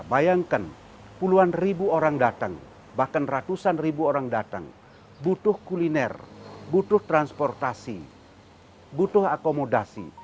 bayangkan puluhan ribu orang datang bahkan ratusan ribu orang datang butuh kuliner butuh transportasi butuh akomodasi